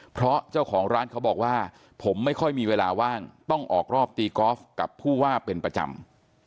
เพราะเจ้าของร้านเขาบอกว่าผมไม่ค่อยมีเวลาว่างต้องออกรอบตีกอล์ฟกับผู้ว่าเป็นประจำ